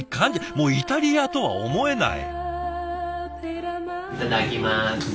もうイタリアとは思えない。